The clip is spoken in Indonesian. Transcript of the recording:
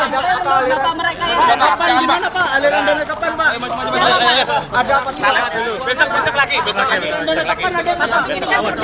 tapi kan mereka punya dukungan mereka tidak ada